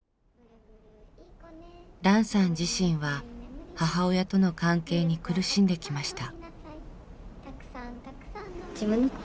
ランさん自身は母親との関係に苦しんできました。